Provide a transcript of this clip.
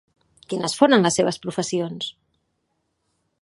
Quines foren les seves professions?